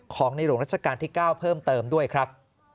ของในหลวงรัชกาลที่๙เพิ่มเติมด้วยครับ